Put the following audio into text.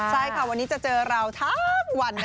ใช่ค่ะวันนี้จะเจอเราทั้งวัน